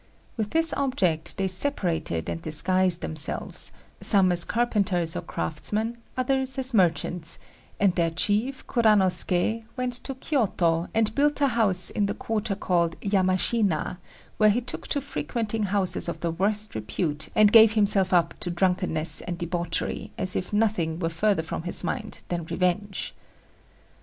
With this object they separated and disguised themselves, some as carpenters or craftsmen, others as merchants; and their chief, Kuranosuké, went to Kiôto, and built a house in the quarter called Yamashina, where he took to frequenting houses of the worst repute, and gave himself up to drunkenness and debauchery, as if nothing were further from his mind than revenge.